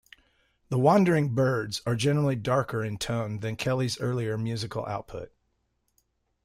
The Wandering Birds are generally darker in tone than Kelly's earlier musical output.